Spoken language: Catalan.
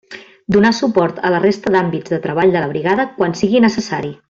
Donar suport a la resta d'àmbits de treball de la brigada quan sigui necessari.